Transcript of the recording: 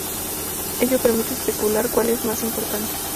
Ello permite especular cuál es más importante.